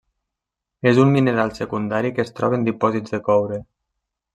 És un mineral secundari que es troba en dipòsits de coure.